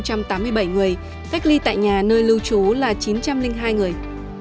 cách ly tại nhà nơi lưu trú là chín trăm linh hai người